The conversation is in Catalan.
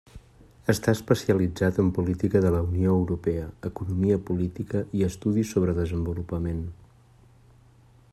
Està especialitzat en política de la Unió Europea, economia política i estudis sobre desenvolupament.